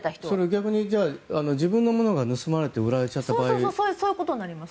逆に自分のものが盗まれて売られちゃった場合。